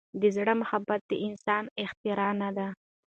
د زړه محبت د انسان اختیار نه دی.